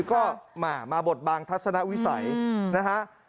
ก็มาบทบางทัศนวิสัยนะฮะ